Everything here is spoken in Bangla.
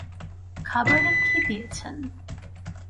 খাবারে কী দিয়েছেন?